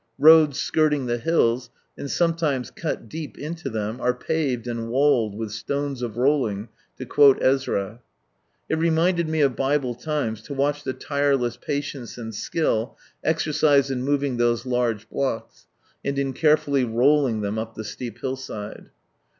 Roads skirting the hills, and sometimes cut deep into them, are paved and walled with " stones of rolling," to quote Ezra. It reminded me of Bible times to watch the tireless patience and skill exercised in moving those lai^e blocks, and in carefully " rolling " them up the steep hill side.